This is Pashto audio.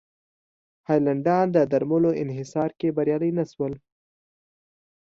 هالنډیان د درملو انحصار کې بریالي نه شول.